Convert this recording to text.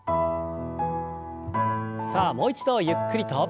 さあもう一度ゆっくりと。